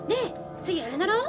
次あれ乗ろう！